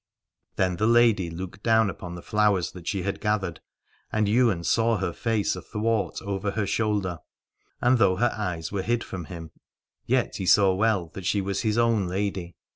Then the lady looked down upon the flowers that she had gathered, and Ywain saw her face athwart, over her shoulder j and though her eyes were hid from him yet he saw well that she was his own lady.